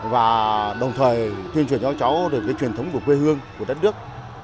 và đồng thời tuyên truyền cho các cháu được cái truyền thống của quê hương của đất nước